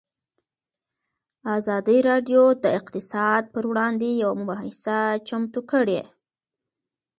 ازادي راډیو د اقتصاد پر وړاندې یوه مباحثه چمتو کړې.